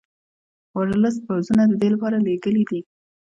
ورلسټ پوځونه د دې لپاره لېږلي دي.